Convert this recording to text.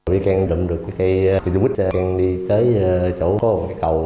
vì cường đụng được cái dung bích cường đi tới chỗ có một cái cầu